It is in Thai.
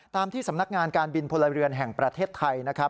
ที่สำนักงานการบินพลเรือนแห่งประเทศไทยนะครับ